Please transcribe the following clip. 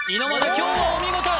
今日はお見事！